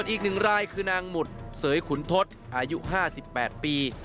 อีกหนึ่งรายคือนางหมุดเสยขุนทศอายุ๕๘ปี